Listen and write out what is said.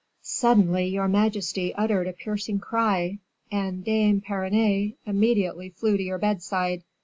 Suddenly your majesty uttered a piercing cry, and Dame Perronnette immediately flew to your bedside.